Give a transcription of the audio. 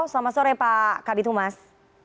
selamat sore pak kabit humas